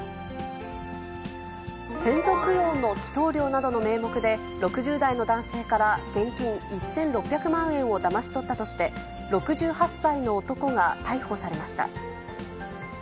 先祖供養の祈とう料などの名目で、６０代の男性から現金１６００万円をだまし取ったとして、６８歳の男が逮捕されました。